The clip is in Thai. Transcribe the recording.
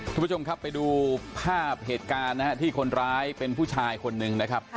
คุณผู้ชมครับไปดูภาพเหตุการณ์นะฮะที่คนร้ายเป็นผู้ชายคนหนึ่งนะครับ